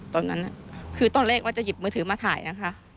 ตอนนั้นคือตอนแรกว่าจะหยิบมือถือมาถ่ายนะคะ